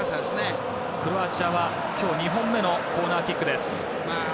クロアチアは今日２本目のコーナーキックです。